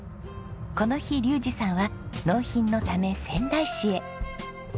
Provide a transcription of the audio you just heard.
この日竜士さんは納品のため仙台市へ。